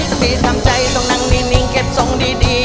สติทำใจต้องนั่งนิ่งเก็บทรงดี